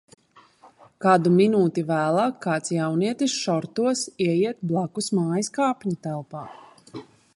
Kādu minūti vēlāk kāds jaunietis šortos ieiet blakusmājas kāpņutelpā.